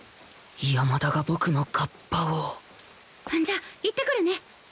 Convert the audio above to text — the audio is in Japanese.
山田が僕のカッパをじゃあ行ってくるね。